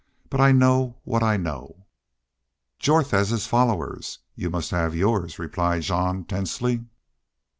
But I know what I know." "Jorth has his followers. You must have yours," replied Jean, tensely.